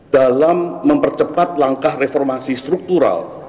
dalam mempercepat langkah reformasi struktural